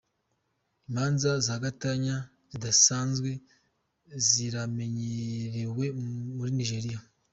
Imanza za gatanya zidasanzwe ziramenyerewe muri Nigeria.